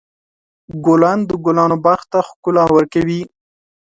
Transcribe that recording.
ګلان د ګلانو باغ ته ښکلا ورکوي.